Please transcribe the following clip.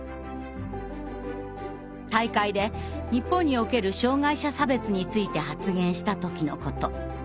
大会で日本における障害者差別について発言したときのこと。